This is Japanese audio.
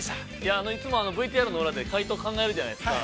◆いつもＶＴＲの裏で解答を考えるじゃないですか。